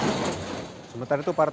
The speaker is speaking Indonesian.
sementara itu para tanggung jawab